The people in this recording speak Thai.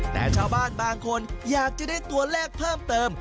แต่ชาวบ้านบางคนอยากจะได้ตัวเลขเพิ่มเติม